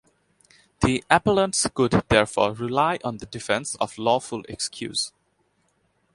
The appellants could therefore rely on the defence of lawful excuse.